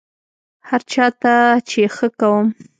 هر چا ته چې ښه کوم،